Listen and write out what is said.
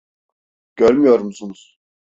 Görmüyor musunuz?